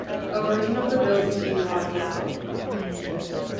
A version of the bill became law in April.